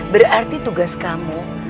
berarti tugas kamu